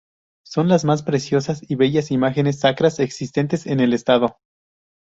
Son las más preciosas y bellas imágenes sacras existentes en el estado.